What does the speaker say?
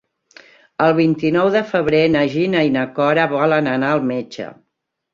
El vint-i-nou de febrer na Gina i na Cora volen anar al metge.